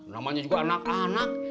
namanya juga anak anak